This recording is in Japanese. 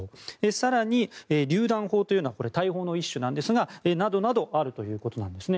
更に、りゅう弾砲というのは大砲の一種なんですがなどなどあるそうなんです。